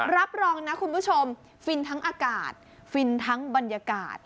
รับรองนะคุณผู้ชมฟินทั้งอากาศฟินทั้งบรรยากาศ